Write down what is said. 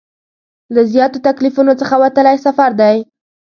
له زیاتو تکلیفونو څخه وتلی سفر دی.